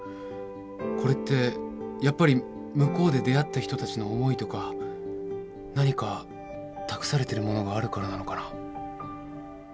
これってやっぱり向こうで出会った人たちの思いとか何か託されてるものがあるからなのかな。